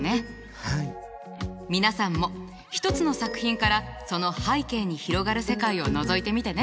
皆さんも一つの作品からその背景に広がる世界をのぞいてみてね。